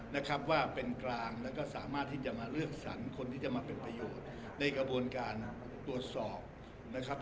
นะครับว่าเป็นกลางแล้วก็สามารถที่จะมาเลือกสรรคนที่จะมาเป็นประโยชน์ในกระบวนการตรวจสอบนะครับ